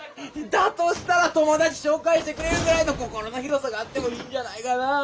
だとしたら友達紹介してくれるぐらいの心の広さがあってもいいんじゃないかな。